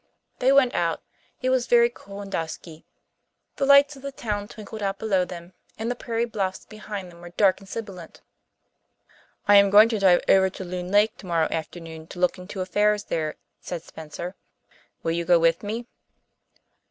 They went out. It was very cool and dusky. The lights of the town twinkled out below them, and the prairie bluffs behind them were dark and sibilant. "I am going to drive over to Loon Lake tomorrow afternoon to look into affairs there," said Spencer. "Will you go with me?"